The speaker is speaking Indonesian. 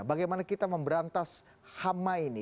bagaimana kita memberantas hama ini